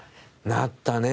なったね。